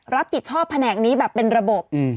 รับผิดชอบแผนกนี้แบบเป็นระบบ